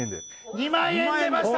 ２万円出ました！